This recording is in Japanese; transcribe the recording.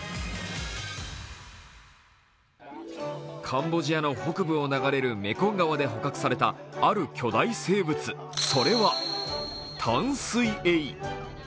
カンボジアの北部を流れるメコン川で捕獲されたある巨大生物、それは淡水エイ。